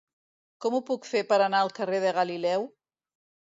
Com ho puc fer per anar al carrer de Galileu?